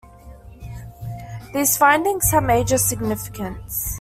These findings have major significance.